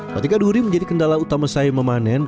ketika duri menjadi kendala utama saya memanen